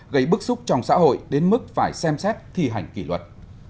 gây bức xúc trong xã hội đến mức phải xem xét thi hành kỷ luật